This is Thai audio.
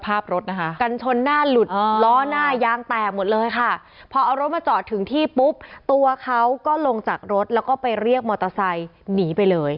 ภาพรถนะคะกันชนหน้าหลุดล้อหน้ายางแตกหมดเลยค่ะพอเอารถมาจอดถึงที่ปุ๊บตัวเขาก็ลงจากรถแล้วก็ไปเรียกมอเตอร์ไซค์หนีไปเลย